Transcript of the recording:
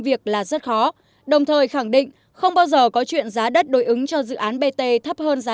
việc là rất khó đồng thời khẳng định không bao giờ có chuyện giá đất đối ứng cho dự án bt thấp hơn giá